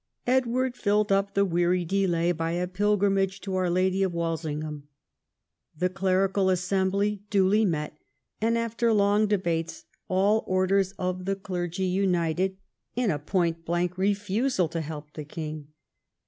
Edward filled up the Avcary delay by a pilgrimage to Our Lady of Walsingham. The clerical assembly duly met, and after long debates all orders of the clergy 192 EDWARD I chap, united in a point blank refusal to help the king.